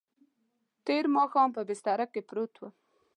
تېر ماښام په بستره کې پروت وم.